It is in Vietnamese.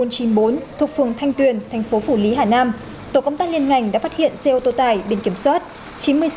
trong thành tuyển tp phủ lý hà nam tổ công tác liên ngành đã phát hiện xe ô tô tài bên kiểm soát chín mươi c hai nghìn sáu trăm chín mươi năm